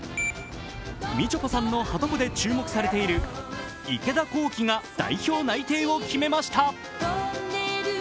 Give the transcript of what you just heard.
みちょぱさんのはとこで注目されている池田向希が代表内定入りを決めました。